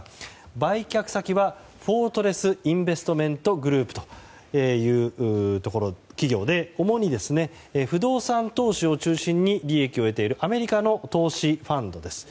売却先はフォートレス・インベストメント・グループという企業で主に不動産投資を中心に利益を得ているアメリカの投資ファンドです。